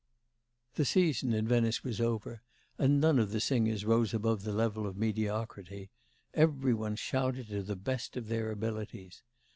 The season in Venice was over, and none of the singers rose above the level of mediocrity; every one shouted to the best of their abilities.